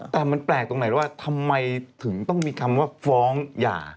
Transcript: แต่มันแปลกตรงไหนว่าทำไมถึงต้องมีคำว่าฟ้องหย่า